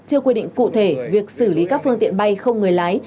chưa quy định cụ thể việc xử lý các phương tiện bay không người lái